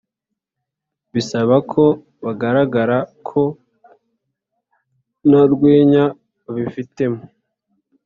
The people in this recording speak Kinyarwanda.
bisaba ko bigaragara ko nta rwenya babifitemo